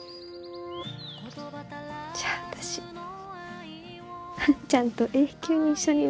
じゃあ私万ちゃんと永久に一緒にいれるんですね。